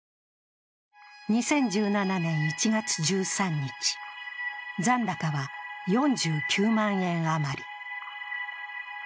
２０１７年１月１３日残高は４９万円余り。